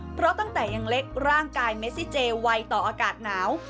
เพราะตั้งแต่ยังเล็กร่างกายเมซิเจไวต่ออากาศหนาว